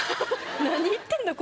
何言ってんの？